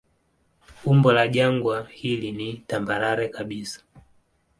Umbo la jangwa hili ni tambarare kabisa.